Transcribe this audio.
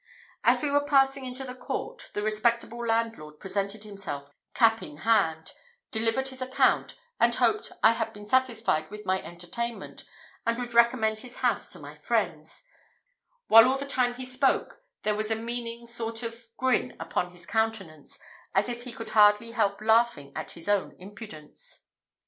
As we were passing into the court, the respectable landlord presented himself cap in hand, delivered his account, and hoped I had been satisfied with my entertainment, and would recommend his house to my friends; while all the time he spoke there was a meaning sort of grin upon his countenance, as if he could hardly help laughing at his own impudence.